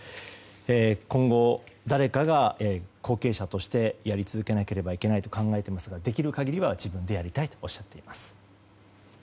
今後、誰かが後継者としてやり続けなければいけないと考えていますができる限りは自分でやりたいとおっしゃっています。